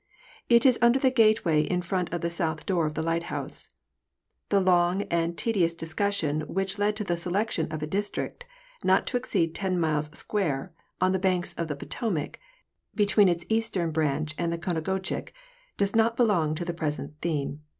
It is under the gateway in front of the south door of the lighthouse. The long and tedious discussion which led to the selection of a district, not to exceed ten miles square, on the banks of the Potomac, between its Kastern branch and the Conogocheague, does not belong to the present theme.